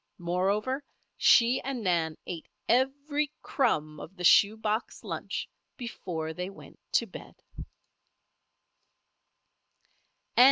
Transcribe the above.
Moreover, she and Nan ate every crumb of the shoe box lunch before they went to bed!